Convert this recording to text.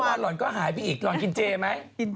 ถ้าหล่อนก็หายไปอีกหล่อนกินเจ๊มั้ย